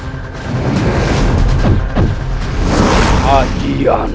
jika terlalu lama aku menghadapi siliwangi